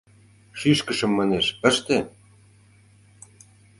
— Шӱшкышым, манеш, ыште!